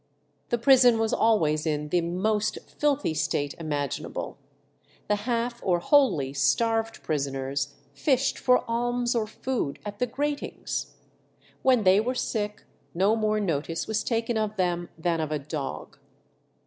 The prison was always in "the most filthy state imaginable." The half or wholly starved prisoners fished for alms or food at the gratings. When they were sick no more notice was taken of them than of a dog.